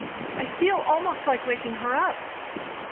''I feel almost Hke waking her up."